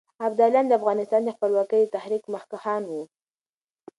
ابداليان د افغانستان د خپلواکۍ د تحريک مخکښان وو.